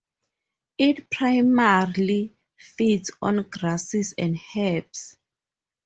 It primarily feeds on grasses and herbs.